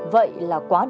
vậy là quá đủ